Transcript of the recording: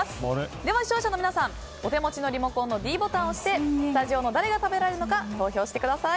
では視聴者の皆さん、お手持ちのリモコンのｄボタンを押してスタジオの誰が食べられるのか投票してください。